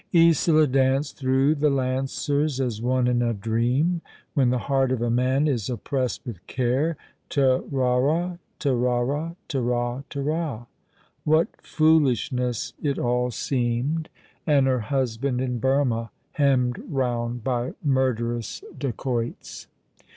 Isola danced through the lancers as one in a dream. When the heart of a man is oppressed with care, " Ta rarra, ta rarra, ta ra, ta ra!" What foolishness it all seemed, ^' The Child cheek bhishing Scarlett 63 And her husband in Burmah, hemmed round by murderous dacoits!